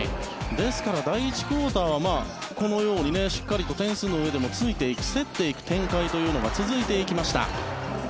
ですから第１クオーターはこのようにしっかりと点数の上でもついていく、競っていく展開が続いていきました。